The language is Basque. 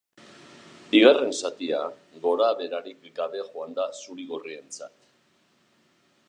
Bigarren zatia gorabeherarik gabe joan da zuri-gorrientzat.